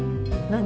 何？